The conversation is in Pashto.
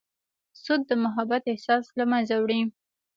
سود د محبت احساس له منځه وړي.